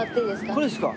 これですか？